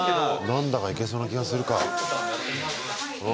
何だかいけそうな気がするか。